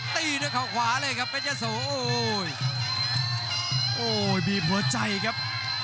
ตีด้วยเขาขวาเลยครับเพชรยะโสโอ้ยโอ้ยบีบหัวใจครับ